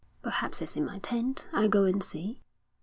'Perhaps it's in my tent. I'll go and see.'